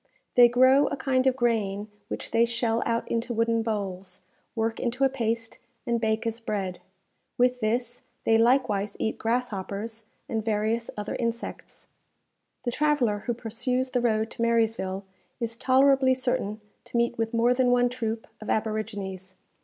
They grow a kind of grain which they shell out into wooden bowls, work into a paste, and bake as bread. With this, they likewise eat grasshoppers and various other insects. The traveller who pursues the road to Marysville, is tolerably certain to meet with more than one troop of aborigines.